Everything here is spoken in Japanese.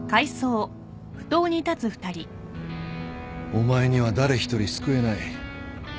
お前には誰一人救えない